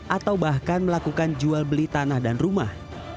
atau bahkan melakukan jual beli tanah dan rumah